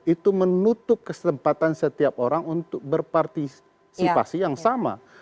itu menutup kesempatan setiap orang untuk berpartisipasi yang sama